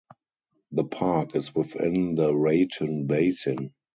The park is within the Raton Basin.